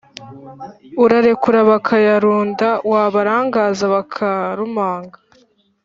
« urarekurura bakayarunda/ wabaragaza bakarumanga/